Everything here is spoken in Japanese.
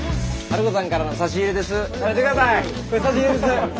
ハルコさんから差し入れです。